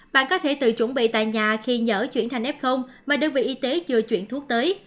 bạn có thể tự chuẩn bị tại nhà khi nhỡ chuyển thành f mà đơn vị y tế chưa chuyển thuốc tới